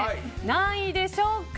何位でしょうか。